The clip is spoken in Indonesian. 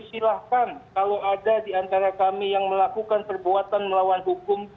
silahkan kalau ada di antara kami yang melakukan perbuatan melawan hukum